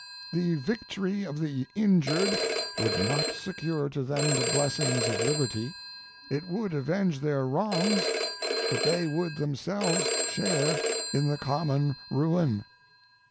The victory of the injured would not secure to them the blessings of liberty; it would avenge their wrongs, but they would themselves share in the common ruin.